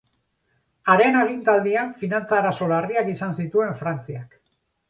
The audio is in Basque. Haren agintaldian finantza arazo handiak izan zituen Frantziak.